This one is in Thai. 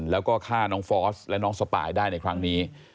แล้วก็ฆ่าน้องฟอสและน้องสปายได้ในครั้งนี้